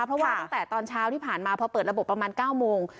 เพราะว่าตั้งแต่ตอนเช้าที่ผ่านมาพอเปิดระบบประมาณ๙โมง